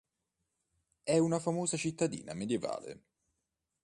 È una famosa cittadina medioevale.